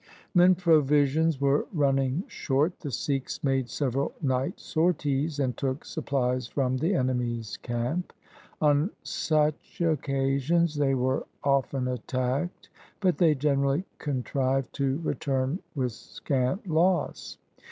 When provisions were running short, the Sikhs made several night sorties and took supplies from the enemy's camp. On such occasions they were often attacked, but they generally contrived to return with scant loss.